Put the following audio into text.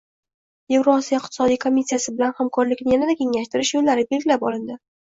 Yevrosiyo iqtisodiy komissiyasi bilan hamkorlikni yanada kengaytirish yo‘llari belgilab olinding